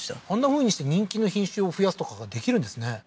あんなふうにして人気の品種を増やすとかができるんですね